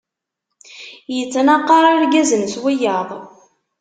Ittnaqaṛ irgazen s wiyaḍ.